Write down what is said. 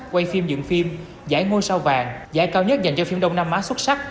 quay phim dựng phim giải ngôi sao vàng giải cao nhất dành cho phim đông nam á xuất sắc